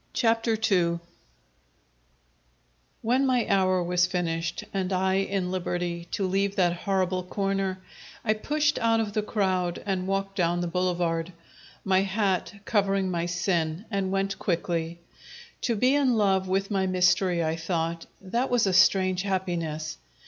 Chapter Two When my hour was finished and I in liberty to leave that horrible corner, I pushed out of the crowd and walked down the boulevard, my hat covering my sin, and went quickly. To be in love with my mystery, I thought, that was a strange happiness!